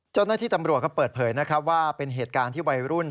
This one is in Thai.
เจ้าหน้าที่ตำรวจก็เปิดเผยนะครับว่าเป็นเหตุการณ์ที่วัยรุ่น